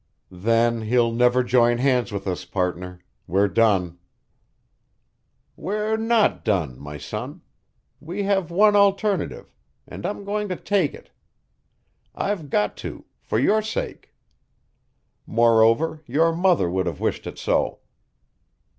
"Then he'll never join hands with us, partner. We're done." "We're not done, my son. We have one alternative, and I'm going to take it. I've got to for your sake. Moreover, your mother would have wished it so."